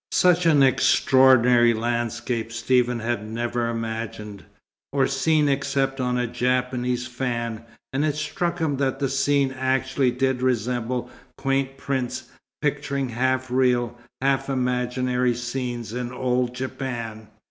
Such an extraordinary landscape Stephen had never imagined, or seen except on a Japanese fan; and it struck him that the scene actually did resemble quaint prints picturing half real, half imaginary scenes in old Japan.